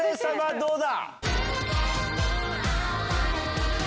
どうだ？